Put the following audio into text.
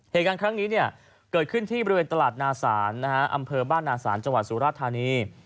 เหตุการณ์ครั้งนี้เกิดขึ้นที่บริเวณตลาดนาศาลอำเภอบ้านนาศาลจังหวัดสุราธานี